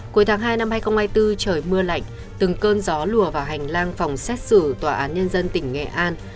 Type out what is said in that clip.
cuối tháng hai năm hai nghìn hai mươi bốn trời mưa lạnh từng cơn gió lùa vào hành lang phòng xét xử tòa án nhân dân tỉnh nghệ an